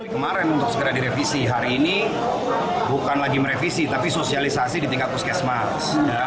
kemarin untuk segera direvisi hari ini bukan lagi merevisi tapi sosialisasi di tingkat puskesmas